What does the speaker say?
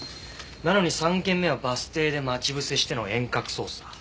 なのに３件目はバス停で待ち伏せしての遠隔操作。